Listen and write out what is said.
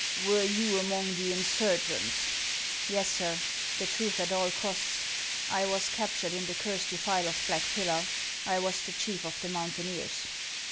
" Were you among the insurgents ?" "Yes, sir; the truth at all costs. I was captured in the cursed defile of Black Pillar. I was the chief of the mountaineers."